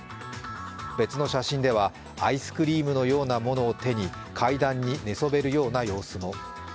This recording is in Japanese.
別の写真では、アイスクリームのようなものを手に階段に寝そべるような様子も。